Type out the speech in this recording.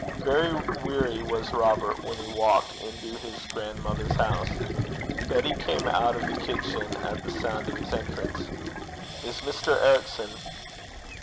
Very weary was Robert when he walked into his grandmother's house. Betty came out of the kitchen at the sound of his entrance. 'Is Mr. Ericson